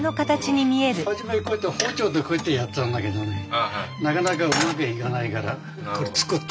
初めこうやって包丁でこうやってやってたんだけどねなかなかうまくいかないからこれ作った。